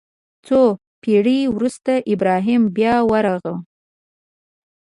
څو پېړۍ وروسته ابراهیم بیا ورغاوه.